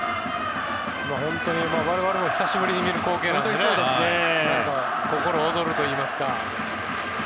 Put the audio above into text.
我々も久しぶりに見る光景なので何か心躍るといいますか。